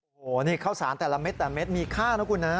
โอ้โหนี่ข้าวสารแต่ละเม็ดแต่เม็ดมีค่านะคุณนะ